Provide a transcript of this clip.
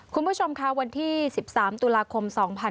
คุณผู้ชมค่ะวันที่๑๓ตุลาคม๒๕๖๒